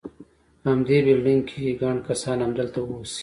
په همدې بلډینګ کې، ګڼ کسان همدلته اوسي.